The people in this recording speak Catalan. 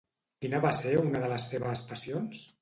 Quina va ser una de les seves passions?